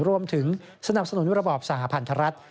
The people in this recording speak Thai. รวมถึงสนับสนุนระบอบสหพันธรัฐ